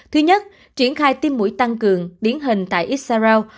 thứ nhất triển khai tiêm mũi tăng cường điển hình tại isaraok